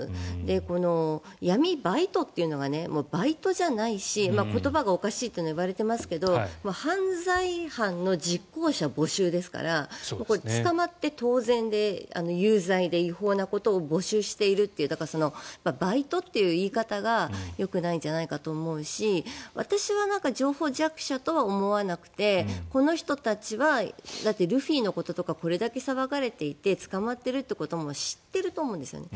この闇バイトというのがバイトじゃないし言葉がおかしいとはいわれていますけど犯罪犯の実行者募集ですからこれは捕まって当然で有罪で違法なことを募集しているというだから、バイトという言い方がよくないんじゃないかなと思いますし私は情報弱者とは思わなくてこの人たちはルフィのこととかこれだけ騒がれていて捕まっているということも知っていると思うんですよね。